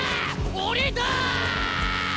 俺だ！